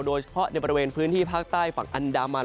โดยเฉพาะในบริเวณพื้นที่ภาคใต้ฝั่งอันดามัน